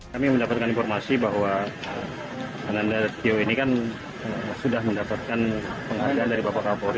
kami mendapatkan informasi bahwa ananda tio ini kan sudah mendapatkan penghargaan dari bapak kapolri